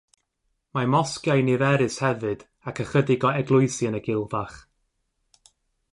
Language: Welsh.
Mae mosgiau niferus hefyd ac ychydig o eglwysi yn y gilfach.